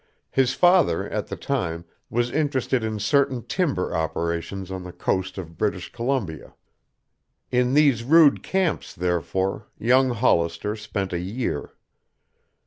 His father, at the time, was interested in certain timber operations on the coast of British Columbia. In these rude camps, therefore, young Hollister spent a year.